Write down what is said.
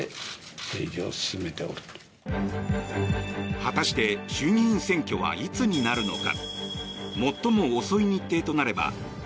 果たして、衆議院選挙はいつになるのか。